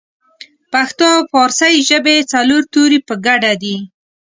پښتو او پارسۍ ژبې څلور توري په ګډه دي